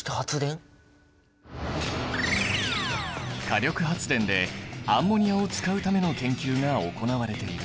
火力発電でアンモニアを使うための研究が行われている。